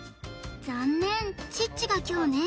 残念チッチが凶ね